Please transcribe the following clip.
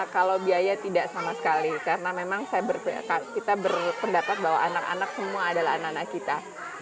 kalau biaya tidak sama sekali karena memang kita berpendapat bahwa anak anak semua adalah anak anak kita